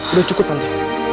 udah cukup tante